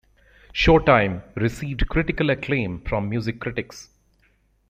"Showtime" received critical acclaim from music critics.